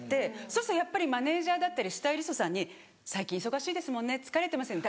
そうするとやっぱりマネジャーだったりスタイリストさんに「最近忙しい疲れてますよね」